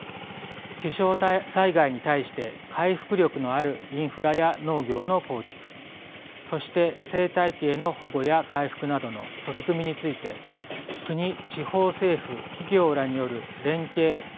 気象災害に対して回復力のあるインフラや農業の構築そして生態系の保護や回復などの取り組みについて国地方政府企業らによる連携・協力の促進が期待されます。